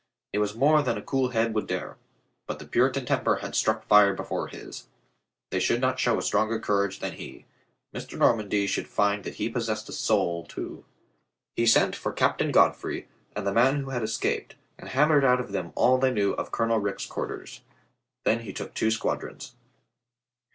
It was more than a cool head would dare. But the Puritan temper had struck fire from his. They should not show a stronger courage than he. Mr. Normandy should find that he possessed a soul, too. He sent for Captain Godfrey and the man who had escaped, and hammered out of them all they knew of Colonel Rich's quarters. Then he took two squadrons.